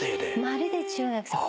まるで中学生。